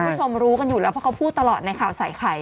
คุณผู้ชมรู้กันอยู่แล้วเพราะเขาพูดตลอดในข่าวใส่ไข่